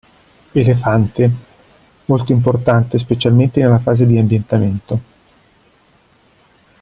Elefante: molto importante, specialmente nella fase di ambientamento.